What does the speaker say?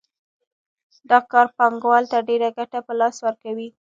دا کار پانګوال ته ډېره ګټه په لاس ورکوي